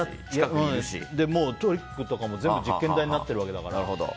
トリックとかも全部実験台になっているわけだから。